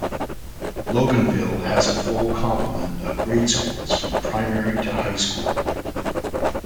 Loganville has a full complement of grade schools from primary to high school.